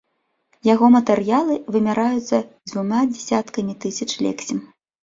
Яго матэрыялы вымяраюцца дзвюма дзясяткамі тысяч лексем.